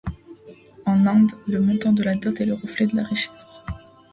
En Inde, le montant de la dot est le reflet de la richesse.